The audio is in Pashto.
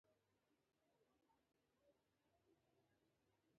انګلیسي د زدهکوونکو ذهن ته پراخوالی ورکوي